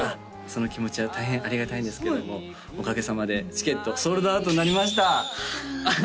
その気持ちは大変ありがたいんですけれどもおかげさまでチケットソールドアウトになりましたああ